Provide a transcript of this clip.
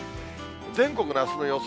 全国のあすの予想